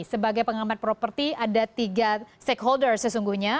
sebagai pengamat properti ada tiga stakeholder sesungguhnya